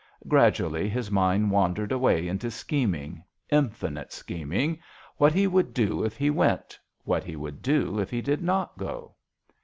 Gradually his mind wandered away into scheming infinite scheming what he would do if he went, what he would do if he did not go.